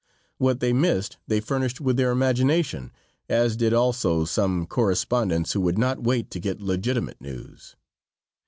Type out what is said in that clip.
What they missed they furnished with their imagination, as did also some correspondents who would not wait to get legitimate news.